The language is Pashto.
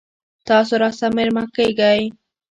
تاسو راسره میلمه کیږئ؟